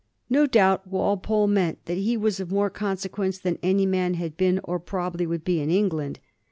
No doubt Walpole meant that he was of more consequence than any man had been or prob ably would be in England.